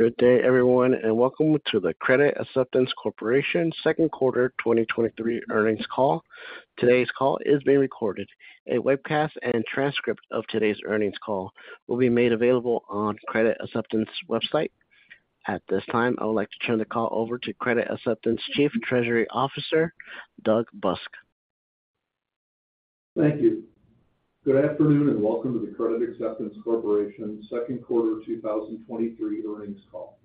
Good day, everyone, and welcome to the Credit Acceptance Corporation Second Quarter 2023 earnings call. Today's call is being recorded. A webcast and transcript of today's earnings call will be made available on Credit Acceptance website. At this time, I would like to turn the call over to Credit Acceptance Chief Treasury Officer, Douglas Busk. Thank you. Good afternoon, and welcome to the Credit Acceptance Corporation Second Quarter 2023 earnings call.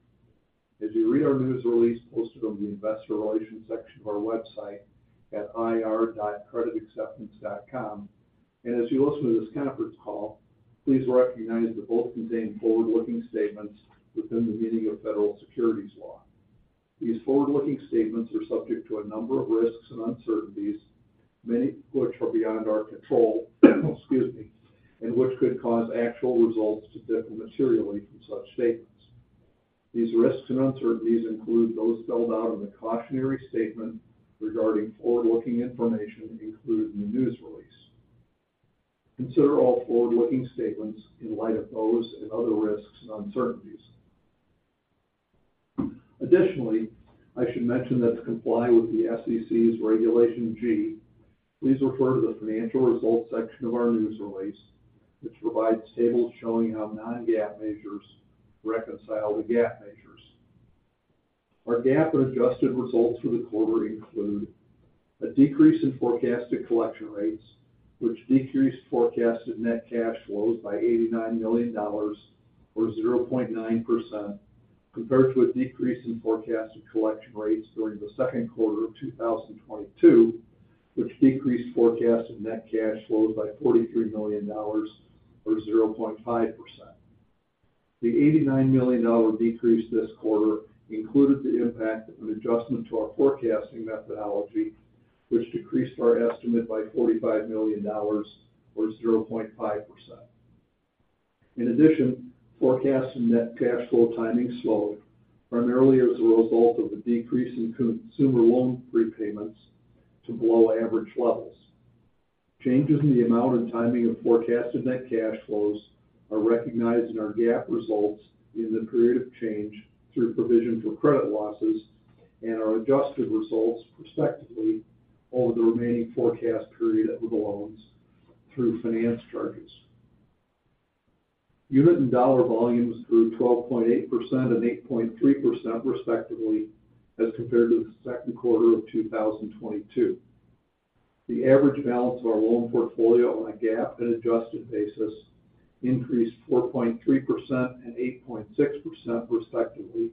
As you read our news release posted on the investor relations section of our website at ir.creditacceptance.com, and as you listen to this conference call, please recognize that both contain forward-looking statements within the meaning of Federal securities law. These forward-looking statements are subject to a number of risks and uncertainties, many of which are beyond our control, excuse me, and which could cause actual results to differ materially from such statements. These risks and uncertainties include those spelled out in the cautionary statement regarding forward-looking information included in the news release. Consider all forward-looking statements in light of those and other risks and uncertainties. Additionally, I should mention that to comply with the SEC Regulation G, please refer to the Financial Results section of our news release, which provides tables showing how non-GAAP measures reconcile to GAAP measures. Our GAAP and adjusted results for the quarter include a decrease in forecasted collection rates, which decreased forecasted net cash flows by $89 million or 0.9%, compared to a decrease in forecasted collection rates during the second quarter of 2022, which decreased forecasted net cash flows by $43 million or 0.5%. The $89 million decrease this quarter included the impact of an adjustment to our forecasting methodology, which decreased our estimate by $45 million or 0.5%. In addition, forecasted net cash flow timing slowed, primarily as a result of a decrease in consumer loan prepayments to below average levels. Changes in the amount and timing of forecasted net cash flows are recognized in our GAAP results in the period of change through provision for credit losses and our adjusted results, respectively, over the remaining forecast period of the loans through finance charges. Unit and dollar volumes grew 12.8% and 8.3%, respectively, as compared to the second quarter of 2022. The average balance of our loan portfolio on a GAAP and adjusted basis increased 4.3% and 8.6%, respectively,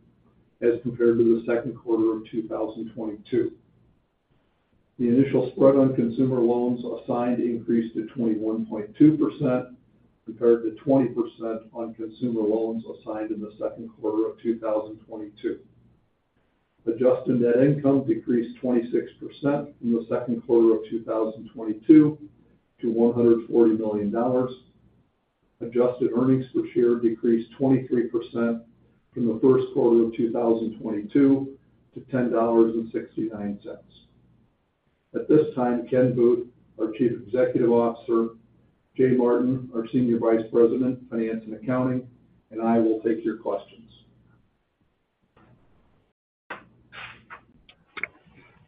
as compared to the second quarter of 2022. The initial spread on consumer loans assigned increased to 21.2%, compared to 20% on consumer loans assigned in the second quarter of 2022. Adjusted net income decreased 26% from the second quarter of 2022 to $140 million. Adjusted earnings per share decreased 23% from the first quarter of 2022 to $10.69. At this time, Kenneth Booth, our Chief Executive Officer, Jay Martin, our Senior Vice President, Finance and Accounting, and I will take your questions.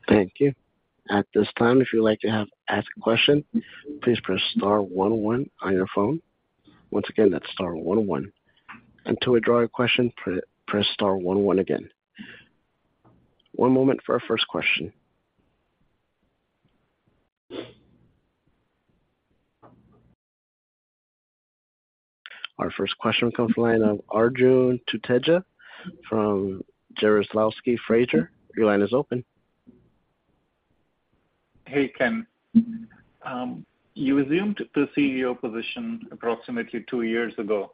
Thank you. At this time, if you'd like to ask a question, please press star one, one on your phone. Once again, that's star one, one. Until we draw a question, press star one, one again. One moment for our first question. Our first question comes from the line of Arjun Tuteja from Jarislowsky Fraser. Your line is open. Hey, Ken. You assumed the CEO position approximately two years ago.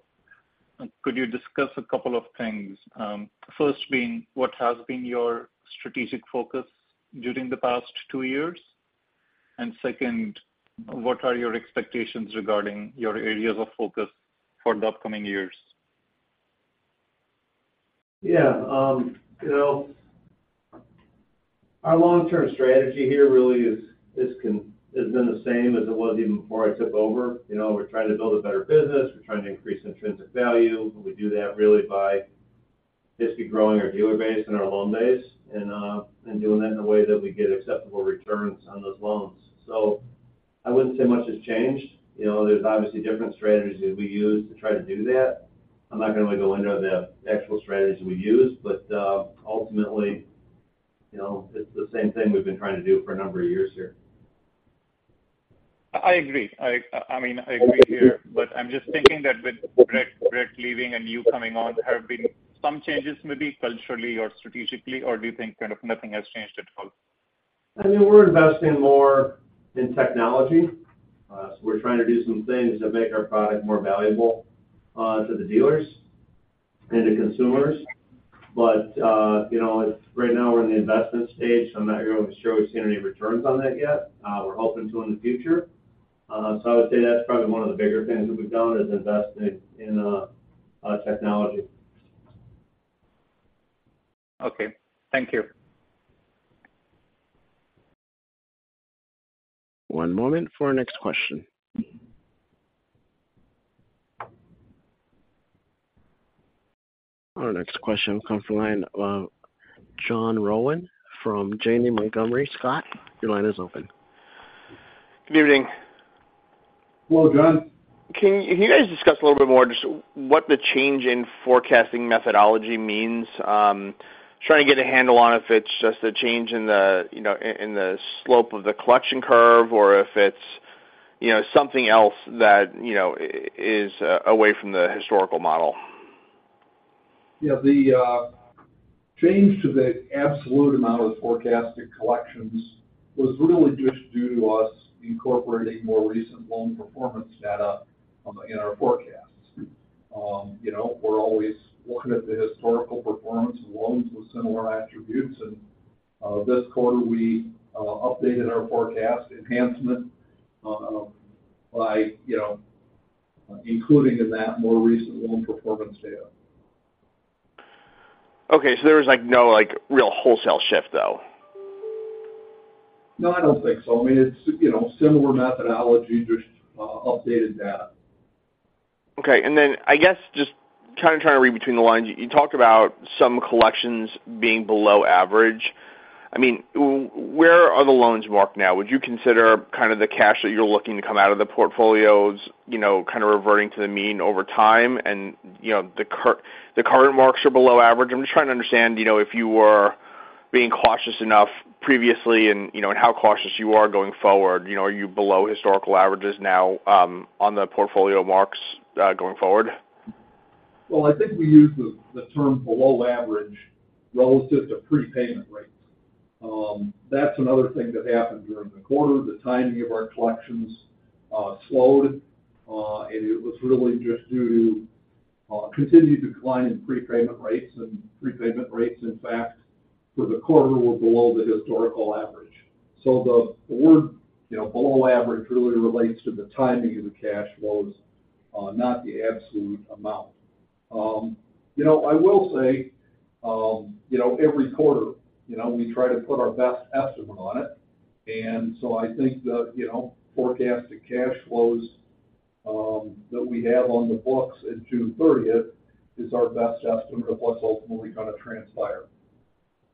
Could you discuss a couple of things? First being, what has been your strategic focus during the past two years? Second, what are your expectations regarding your areas of focus for the upcoming years? Yeah, you know, our long-term strategy here really is, has been the same as it was even before I took over. You know, we're trying to build a better business. We're trying to increase intrinsic value. We do that really by basically growing our dealer base and our loan base, and doing that in a way that we get acceptable returns on those loans. So I wouldn't say much has changed. You know, there's obviously different strategies that we use to try to do that. I'm not going to go into the actual strategies we use, but ultimately, you know, it's the same thing we've been trying to do for a number of years here. I agree. I, I mean, I agree here, but I'm just thinking that with Brett, Brett leaving and you coming on, there have been some changes, maybe culturally or strategically, or do you think kind of nothing has changed at all? I mean, we're investing more in technology. We're trying to do some things that make our product more valuable to the dealers and to consumers. You know, right now we're in the investment stage, so I'm not going to show we've seen any returns on that yet. We're hoping to in the future. I would say that's probably one of the bigger things that we've done, is investing in technology. Okay. Thank you. One moment for our next question. Our next question comes from the line of John Rowan from Janney Montgomery Scott. Your line is open. Good evening. Hello, John. Can you guys discuss a little bit more just what the change in forecasting methodology means? Trying to get a handle on if it's just a change in the, you know, in the slope of the collection curve or if it's, you know, something else that, you know, is away from the historical model. Yeah, the change to the absolute amount of forecasted collections was really just due to us incorporating more recent loan performance data in our forecasts. You know, we're always looking at the historical performance of loans with similar attributes, and this quarter, we updated our forecast enhancement by, you know, including in that more recent loan performance data. Okay, there was, like, no, like, real wholesale shift, though? No, I don't think so. I mean, it's, you know, similar methodology, just updated data. Okay. Then I guess just kind of trying to read between the lines, you talked about some collections being below average. I mean, where are the loans marked now? Would you consider kind of the cash that you're looking to come out of the portfolios, you know, kind of reverting to the mean over time? You know, the current marks are below average. I'm just trying to understand, you know, if you were being cautious enough previously and, you know, and how cautious you are going forward. You know, are you below historical averages now on the portfolio marks going forward? Well, I think we use the term below average relative to prepayment rates. That's another thing that happened during the quarter. The timing of our collections slowed, and it was really just due to continued decline in prepayment rates. Prepayment rates, in fact, for the quarter were below the historical average. The word, you know, below average really relates to the timing of the cash flows, not the absolute amount. You know, I will say, you know, every quarter, you know, we try to put our best estimate on it, and so I think you know, forecasted cash flows that we have on the books at June 30th is our best estimate of what's ultimately going to transpire.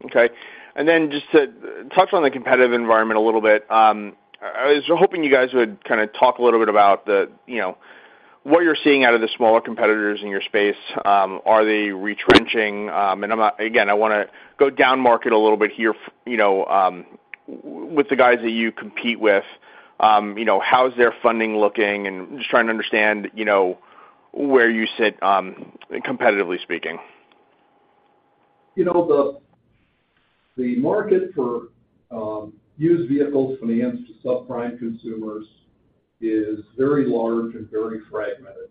Okay. Then just to touch on the competitive environment a little bit, I was hoping you guys would kind of talk a little bit about the, you know, what you're seeing out of the smaller competitors in your space. Are they retrenching? I'm not. Again, I want to go down market a little bit here, you know, with the guys that you compete with. You know, how's their funding looking? Just trying to understand, you know, where you sit, competitively speaking. You know, the, the market for, used vehicles, finance to subprime consumers is very large and very fragmented.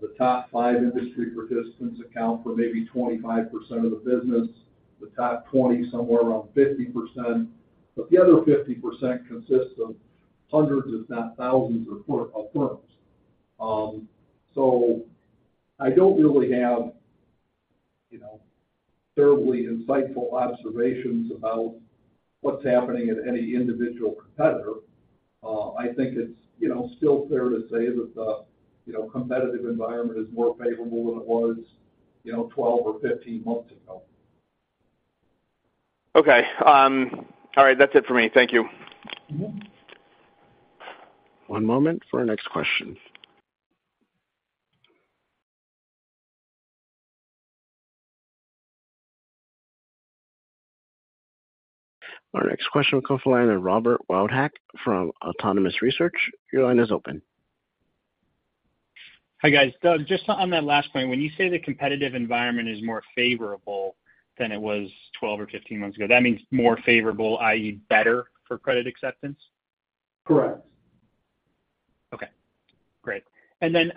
The top five industry participants account for maybe 25% of the business, the top 20, somewhere around 50%, but the other 50% consists of hundreds, if not thousands, of firms. So I don't really have, you know, terribly insightful observations about what's happening at any individual competitor. I think it's, you know, still fair to say that the, you know, competitive environment is more favorable than it was, you know, 12 or 15 months ago. Okay, all right, that's it for me. Thank you. Mm-hmm. One moment for our next question. Our next question will come from the line of Robert Wildhack from Autonomous Research. Your line is open. Hi, guys. Doug, just on that last point, when you say the competitive environment is more favorable than it was 12 or 15 months ago, that means more favorable, i.e., better for Credit Acceptance? Correct. Okay, great. I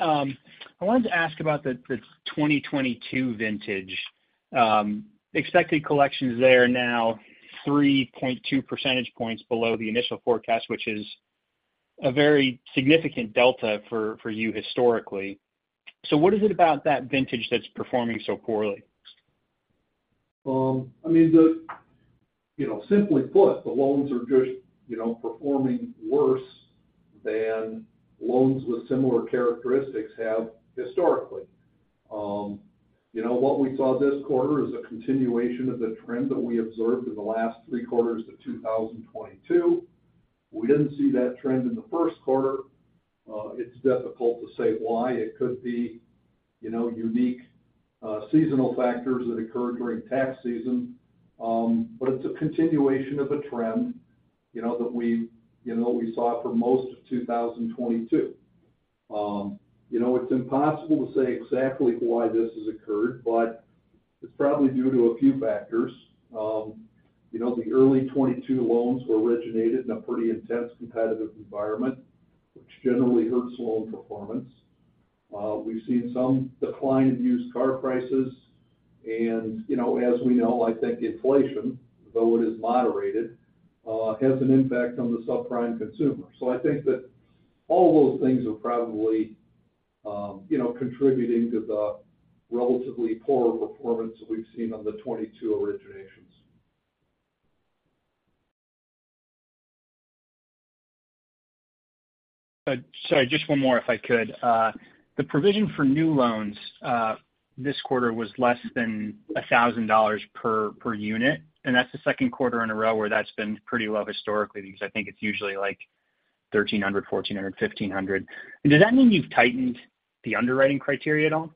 wanted to ask about the, the 2022 vintage. Expected collections there are now 3.2 percentage points below the initial forecast, which is a very significant delta for, for you historically. What is it about that vintage that's performing so poorly? I mean, the... You know, simply put, the loans are just, you know, performing worse than loans with similar characteristics have historically. You know, what we saw this quarter is a continuation of the trend that we observed in the last three quarters of 2022. We didn't see that trend in the first quarter. It's difficult to say why. It could be, you know, unique, seasonal factors that occurred during tax season, but it's a continuation of a trend, you know, that we, you know, we saw for most of 2022. You know, it's impossible to say exactly why this has occurred, but it's probably due to a few factors. You know, the early 2022 loans were originated in a pretty intense competitive environment, which generally hurts loan performance. We've seen some decline in used car prices, and, you know, as we know, I think inflation, though it is moderated, has an impact on the subprime consumer. I think that all those things are probably... you know, contributing to the relatively poor performance that we've seen on the 22 originations. Sorry, just one more, if I could. The provision for new loans this quarter was less than $1,000 per unit, and that's the second quarter in a row where that's been pretty low historically, because I think it's usually like $1,300, $1,400, $1,500. Does that mean you've tightened the underwriting criteria at all?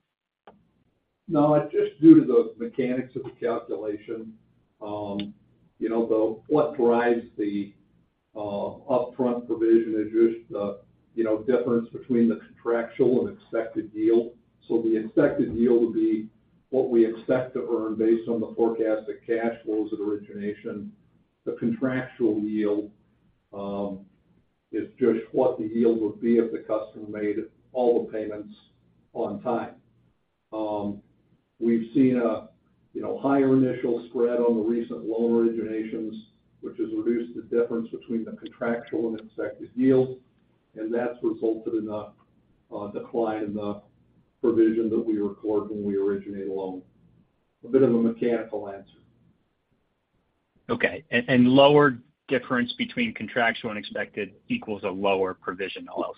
No, it's just due to the mechanics of the calculation. You know, what drives the upfront provision is just the, you know, difference between the contractual and expected yield. The expected yield would be what we expect to earn based on the forecasted cash flows at origination. The contractual yield is just what the yield would be if the customer made all the payments on time. We've seen a, you know, higher initial spread on the recent loan originations, which has reduced the difference between the contractual and expected yields, and that's resulted in a, a decline in the provision that we record when we originate a loan. A bit of a mechanical answer. Okay. And lower difference between contractual and expected equals a lower provision, all else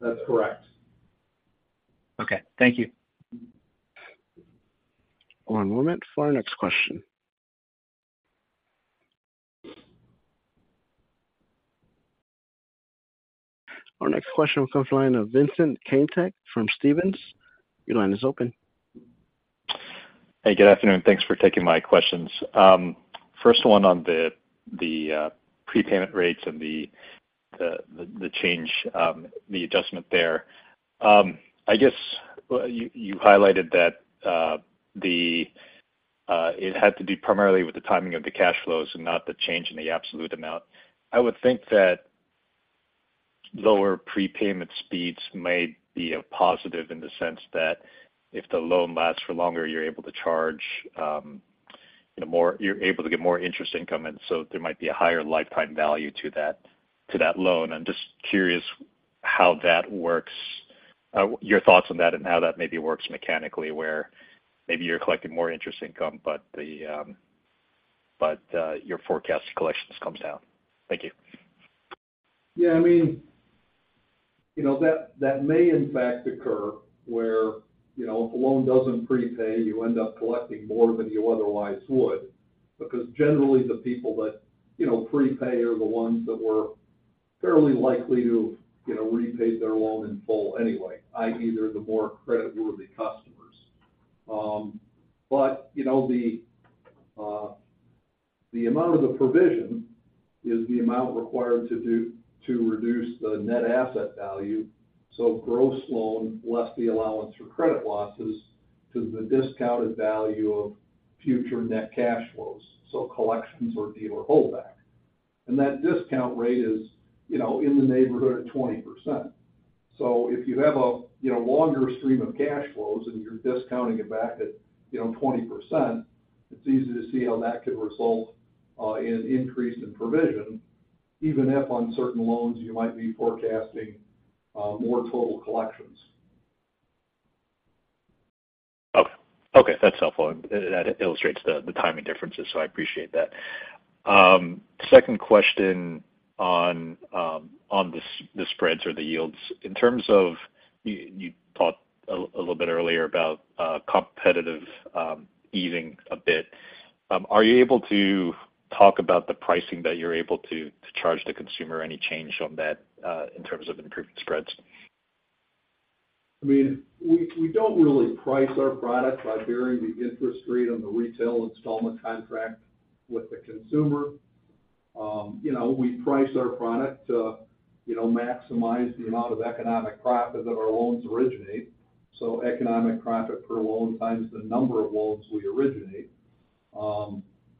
equal? That's correct. Okay, thank you. One moment for our next question. Our next question comes from the line of Vincent Caintic from Stephens. Your line is open. Hey, good afternoon. Thanks for taking my questions. First one on the prepayment rates and the change, the adjustment there. I guess you highlighted that it had to do primarily with the timing of the cash flows and not the change in the absolute amount. I would think that lower prepayment speeds may be a positive in the sense that if the loan lasts for longer, you're able to charge, you know, you're able to get more interest income, and so there might be a higher lifetime value to that loan. I'm just curious how that works, your thoughts on that and how that maybe works mechanically, where maybe you're collecting more interest income, but your forecast collections comes down. Thank you. Yeah, I mean, you know, that, that may in fact occur, where, you know, if a loan doesn't prepay, you end up collecting more than you otherwise would, because generally the people that, you know, prepay are the ones that were fairly likely to, you know, repay their loan in full anyway, i.e., they're the more creditworthy customers. But, you know, the amount of the provision is the amount required to reduce the net asset value, so gross loan less the allowance for credit losses to the discounted value of future net cash flows, so collections or dealer holdback. That discount rate is, you know, in the neighborhood of 20%. If you have a, you know, longer stream of cash flows and you're discounting it back at, you know, 20%, it's easy to see how that could result in an increase in provision, even if on certain loans, you might be forecasting more total collections. Okay. Okay, that's helpful. That illustrates the timing differences, so I appreciate that. Second question on the spreads or the yields. In terms of, you, you talked a little bit earlier about competitive easing a bit. Are you able to talk about the pricing that you're able to charge the consumer? Any change on that in terms of improvement spreads? I mean, we, we don't really price our product by varying the interest rate on the retail installment contract with the consumer. You know, we price our product to, you know, maximize the amount of economic profit that our loans originate, so economic profit per loan times the number of loans we originate.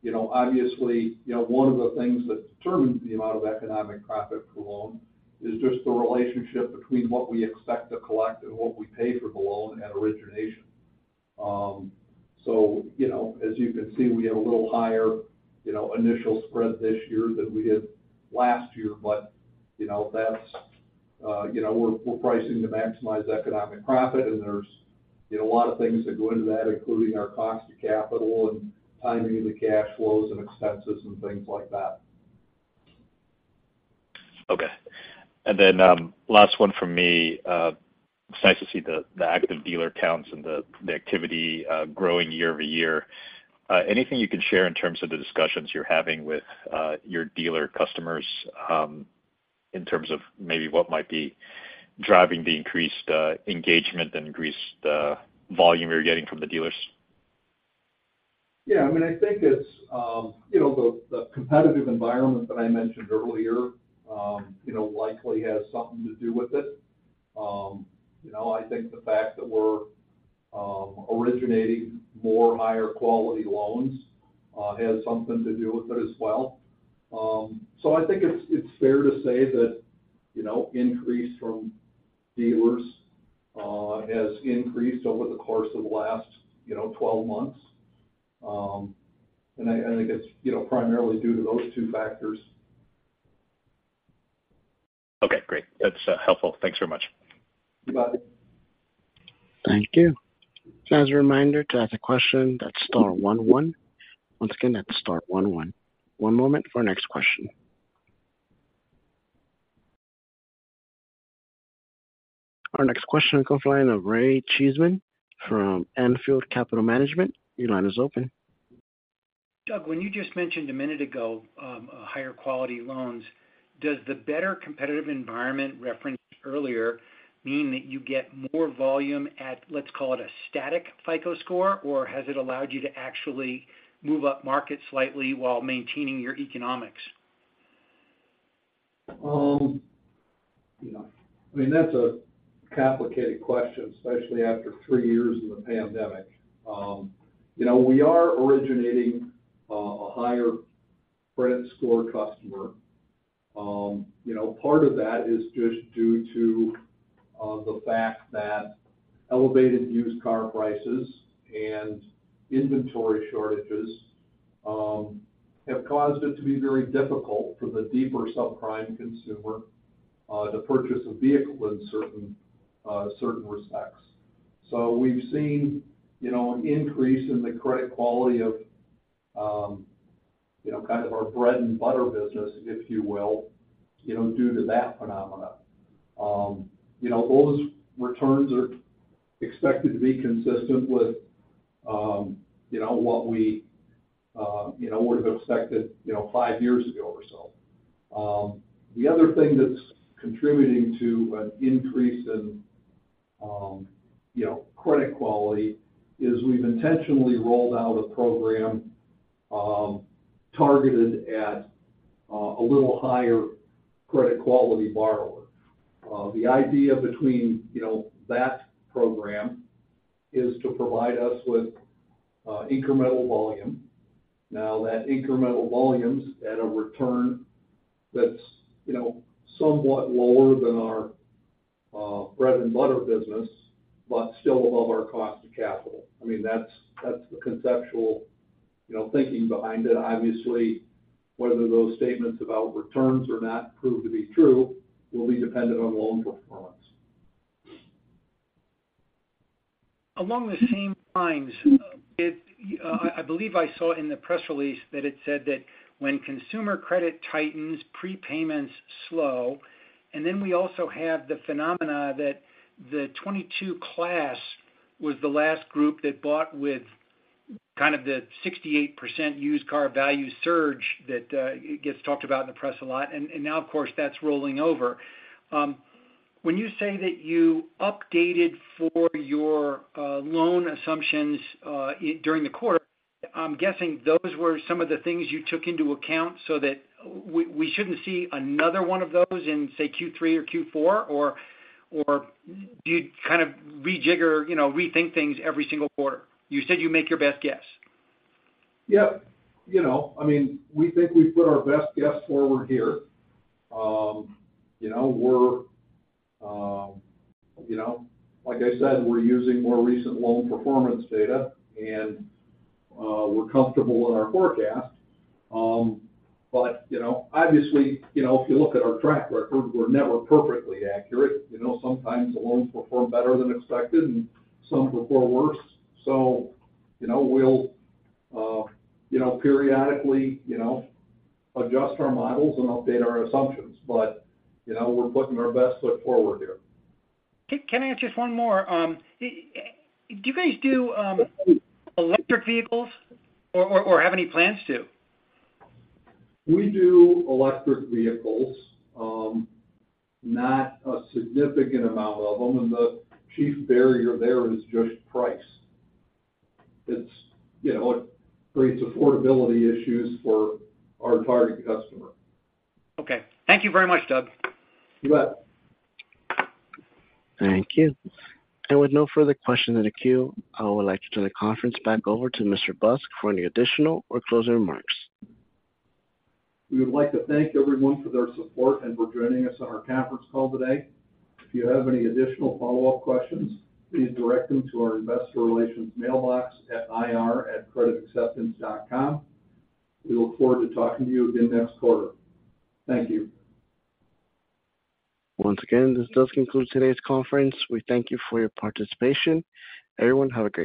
You know, obviously, you know, one of the things that determines the amount of economic profit per loan is just the relationship between what we expect to collect and what we pay for the loan at origination. You know, as you can see, we have a little higher, you know, initial spread this year than we did last year. You know, that's, you know, we're, we're pricing to maximize economic profit, and there's, you know, a lot of things that go into that, including our cost of capital and timing of the cash flows and expenses and things like that. Okay. Last one from me. It's nice to see the active dealer counts and the activity growing YoY. Anything you can share in terms of the discussions you're having with your dealer customers in terms of maybe what might be driving the increased engagement and increased volume you're getting from the dealers? Yeah, I mean, I think it's, you know, the, the competitive environment that I mentioned earlier, you know, likely has something to do with it. You know, I think the fact that we're originating more higher quality loans has something to do with it as well. I think it's, it's fair to say that, you know, increase from dealers has increased over the course of the last, you know, 12 months. I, and I think it's, you know, primarily due to those two factors. Okay, great. That's helpful. Thanks very much. You bet. Thank you. As a reminder, to ask a question, that's star one one. Once again, that's star one one. One moment for our next question. Our next question comes from the line of Ray Cheesman from Anfield Capital Management. Your line is open. Doug, when you just mentioned a minute ago, a higher quality loans, does the better competitive environment referenced earlier mean that you get more volume at, let's call it a static FICO score, or has it allowed you to actually move up market slightly while maintaining your economics? You know, I mean, that's a complicated question, especially after three years in the pandemic. You know, we are originating, a higher credit score customer. You know, part of that is just due to the fact that elevated used car prices and inventory shortages have caused it to be very difficult for the deeper subprime consumer to purchase a vehicle in certain, certain respects. We've seen, you know, an increase in the credit quality of, you know, kind of our bread and butter business, if you will, you know, due to that phenomena. You know, those returns are expected to be consistent with, you know, what we, you know, would have expected, you know, five years ago or so. The other thing that's contributing to an increase in, you know, credit quality is we've intentionally rolled out a program, targeted at a little higher credit quality borrower. The idea between, you know, that program is to provide us with incremental volume. Now, that incremental volume is at a return that's, you know, somewhat lower than our bread and butter business, but still above our cost of capital. I mean, that's, that's the conceptual, you know, thinking behind it. Obviously, whether those statements about returns or not prove to be true, will be dependent on loan performance. Along the same lines, it-- I, I believe I saw in the press release that it said that when consumer credit tightens, prepayments slow. Then we also have the phenomena that the 2022 class was the last group that bought with the kind of the 68% used car value surge that gets talked about in the press a lot, and, and now, of course, that's rolling over. When you say that you updated for your loan assumptions during the quarter, I'm guessing those were some of the things you took into account so that we, we shouldn't see another one of those in, say, Q3 or Q4, or, or do you kind of rejigger, you know, rethink things every single quarter? You said you make your best guess. Yeah, you know, I mean, we think we've put our best guess forward here. You know, we're, you know, like I said, we're using more recent loan performance data and we're comfortable in our forecast. You know, obviously, you know, if you look at our track record, we're never perfectly accurate. You know, sometimes the loans perform better than expected, and some perform worse. You know, we'll, you know, periodically, you know, adjust our models and update our assumptions, but, you know, we're putting our best foot forward here. Can I ask just one more? Do you guys do electric vehicles or have any plans to? We do electric vehicles, not a significant amount of them, and the chief barrier there is just price. It's, you know, it creates affordability issues for our target customer. Okay. Thank you very much, Doug. You bet. Thank you. With no further questions in the queue, I would like to turn the conference back over to Mr. Busk for any additional or closing remarks. We would like to thank everyone for their support and for joining us on our conference call today. If you have any additional follow-up questions, please direct them to our investor relations mailbox at ir@creditacceptance.com. We look forward to talking to you again next quarter. Thank you. Once again, this does conclude today's conference. We thank you for your participation. Everyone, have a great day.